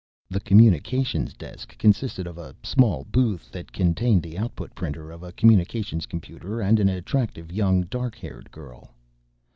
The communications desk consisted of a small booth that contained the output printer of a communications computer and an attractive young dark haired girl.